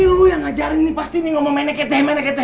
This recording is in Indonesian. ini lu yang ngajarin nih pasti nih ngomong mana ke tb mana ke tb